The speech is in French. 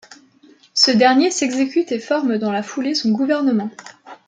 Ce dernier s'exécute et forme dans la foulée son gouvernement.